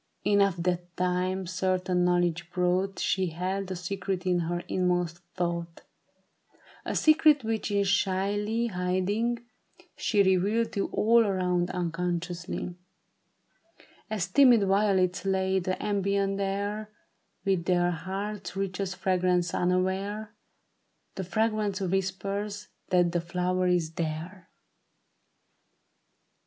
Enough that time the certain knowledge brought She held a secret in her inmost thought ; A secret which in shyly hiding, she Revealed to all around unconsciously ; As timid violets lade the ambient air With their heart's richest fragrance, unaware The fragrance whispers that the flower is there.